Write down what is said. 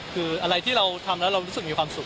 คืออะไรที่เราทำแล้วเรารู้สึกมีความสุข